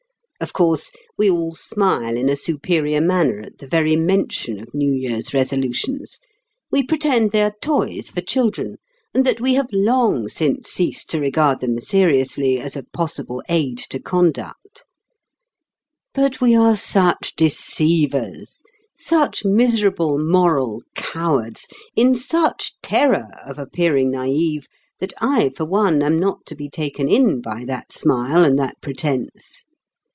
Of course, we all smile in a superior manner at the very mention of New Year's Resolutions; we pretend they are toys for children, and that we have long since ceased to regard them seriously as a possible aid to conduct. But we are such deceivers, such miserable, moral cowards, in such terror of appearing naïve, that I for one am not to be taken in by that smile and that pretence.